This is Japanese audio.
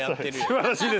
素晴らしいです。